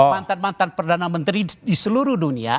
mantan mantan perdana menteri di seluruh dunia